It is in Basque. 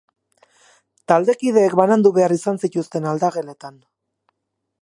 Taldekideek banandu behar izan zituzten aldageletan.